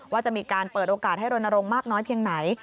ว่าจะมีการเปิดโอกาสให้รณรงค์มากน้อยเพียงไหน